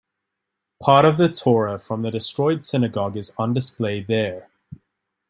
Part of the Torah from the destroyed synagogue is on display there.